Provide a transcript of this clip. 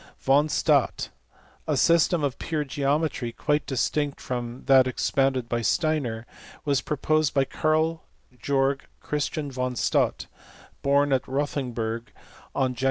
Von Staudt. A system of pure geometry, quite distinct from that expounded by Steiner, was proposed by Karl Georg Christian von Staudt, born at Rothenburg on Jan.